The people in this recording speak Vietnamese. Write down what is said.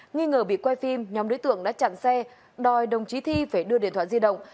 nghi ngờ bị quay phim nhóm đối tượng đã chặn xe đòi đồng chí thi phải đưa điện thoại di động